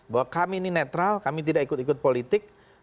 bahwa kami ini netral kami tidak ikut ikut politik